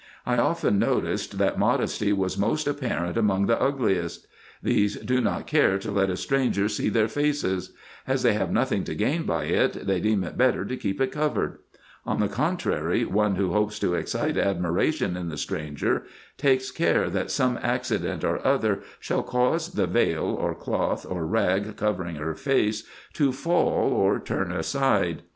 I often noticed, that modesty was most apparent among the ugliest. These do not care to let a stranger see their faces ; as they have nothing to gain by it, they deem it better to keep it covered : on the contrary, one who hopes to excite admiration in the stranger, takes care that some accident or other shall cause the veil, or cloth, or rag, covering her face, to fall or turn aside.